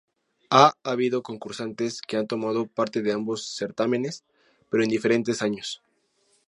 Ha habido concursantes que han tomado parte de ambos certámenes, pero en diferentes años.